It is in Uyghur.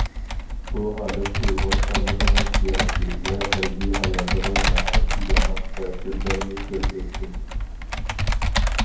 بۇ ھالەت ئۇيغۇر خانلىقىنىڭ سىياسىي ۋە ھەربىي ھاياتىغا ناھايىتى يامان تەسىرلەرنى كۆرسەتتى.